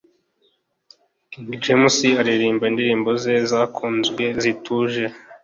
King James aririmba indirimbo ze zakunzwe zituje